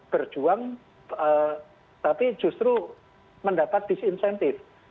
berjuang tapi justru mendapat disinsentif